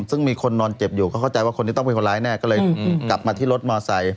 ซึ่งมีคนนอนเจ็บอยู่เขาเข้าใจว่าคนนี้ต้องเป็นคนร้ายแน่ก็เลยกลับมาที่รถมอไซค